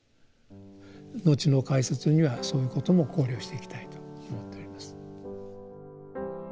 後の解説にはそういうことも考慮していきたいと思っております。